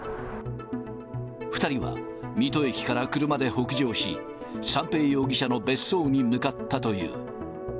２人は水戸駅から車で北上し、三瓶容疑者の別荘に向かったという。